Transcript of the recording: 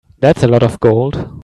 That's a lot of gold.